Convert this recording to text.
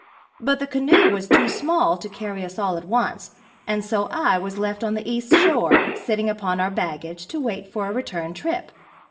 But the canoe was too small to carry us all at once and so I was left on the east shore sitting upon our baggage, to wait for a return trip.